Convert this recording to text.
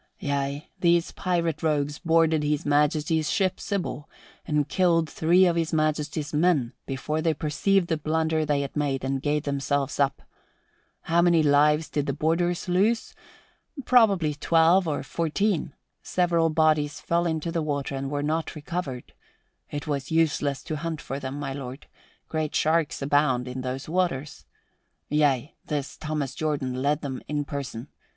"Yea, these pirate rogues boarded His Majesty's ship Sybil and killed three of His Majesty's men before they perceived the blunder they had made and gave themselves up. How many lives did the boarders lose? Probably twelve or fourteen. Several bodies fell into the water and were not recovered. It was useless to hunt for them, my lord. Great sharks abound in those waters. Yea, this Thomas Jordan led them in person.